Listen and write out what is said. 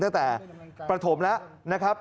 ตั้งแต่ประถมแล้วนะครับ